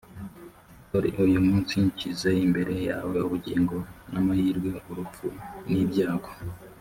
dore uyu munsi nshyize imbere yawe ubugingo n’amahirwe, urupfu n’ibyago;